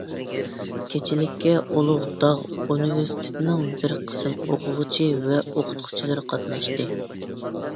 كېچىلىككە ئۇلۇغ داغ ئۇنىۋېرسىتېتىنىڭ بىر قىسىم ئوقۇغۇچى ۋە ئوقۇتقۇچىلىرى قاتناشتى.